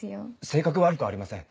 性格悪くありません。